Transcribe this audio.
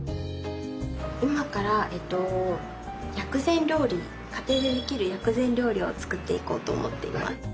今から薬膳料理家庭でできる薬膳料理を作っていこうと思っています。